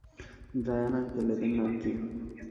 Brian uncle, এদের নাম কী?